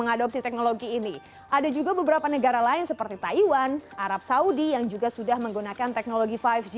apa yang terjadi